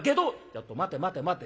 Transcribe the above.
「ちょっと待て待て待て。